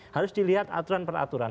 harus dilihat aturan peraturan